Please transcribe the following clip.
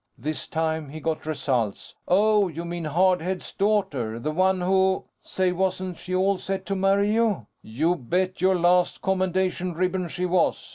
This time, he got results. "Oh! You mean Hard Head's daughter. The one who ... say, wasn't she all set to marry you?" "You bet your last commendation ribbon she was.